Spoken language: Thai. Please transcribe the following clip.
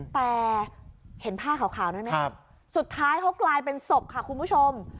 แต่เห็นผ้าขาวได้ไหมสุดท้ายเขากลายเป็นศพค่ะคุณผู้ชม